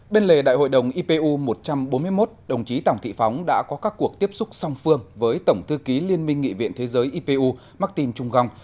bên lề đại hội đồng ipu một trăm bốn mươi một đồng chí tổng thị phóng đã có các cuộc tiếp xúc song phương với tổng thư ký liên minh nghị viện thế giới ipu martin chung gong